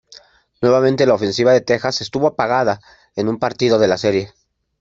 Nuevamente la ofensiva de Texas estuvo apagada en un partido de la Serie.